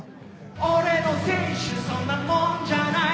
オレの青春そんなもんじゃない